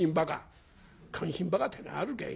「感心バカってのはあるかい。